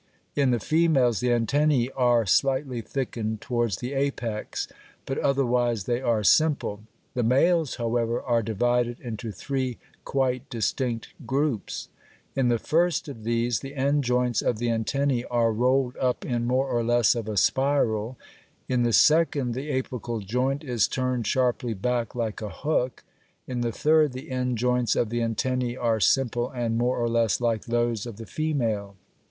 In the females the antennæ are slightly thickened towards the apex, but otherwise they are simple. The males, however, are divided into three quite distinct groups. In the first of these, the end joints of the antennæ are rolled up in more or less of a spiral (fig. 23, 2); in the second, the apical joint is turned sharply back like a hook (fig. 23, 1); in the third, the end joints of the antennæ are simple and more or less like those of the female.